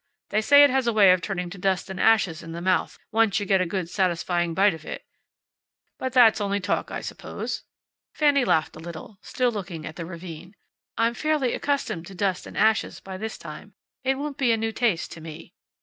They say it has a way of turning to dust and ashes in the mouth, once you get a good, satisfying bite of it. But that's only talk, I suppose." Fanny laughed a little, still looking down at the ravine. "I'm fairly accustomed to dust and ashes by this time. It won't be a new taste to me."